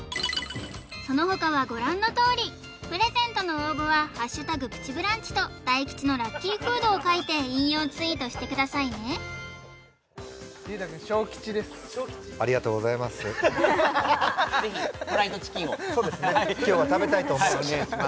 その他はご覧のとおりプレゼントの応募は「＃プチブランチ」と大吉のラッキーフードを書いて引用ツイートしてくださいね隆太君小吉ですありがとうございますハハハハぜひフライドチキンをそうですね今日は食べたいと思います